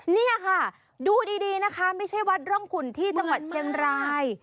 นี่ค่ะดูดีนะคะไม่ใช่วัดร่องขุนที่จังหวัดเชียงราย